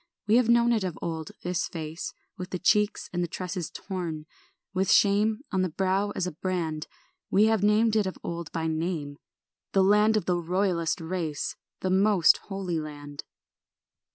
We have known it of old, this face, With the cheeks and the tresses torn, With shame on the brow as a brand. We have named it of old by name, The land of the royallest race, The most holy land.